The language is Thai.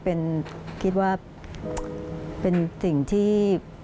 เป็นคิดว่าเป็นสิ่งที่